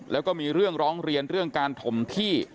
แล้วก็มีเรื่องร้องเรียนเรื่องการถมที่